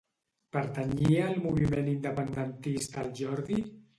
Pertanyia al moviment independentista el Jordi?